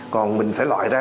còn mình phải lọi ra